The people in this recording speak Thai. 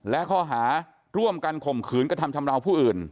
และข้อหาร่วมกันข่มขืนกระทำชำราวผู้อื่น